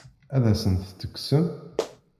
Ad asent-t-tekksemt?